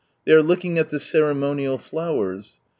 They are looking at the Ceremonial Flowers.